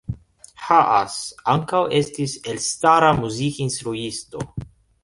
Haas ankaŭ estis elstara muzikinstruisto.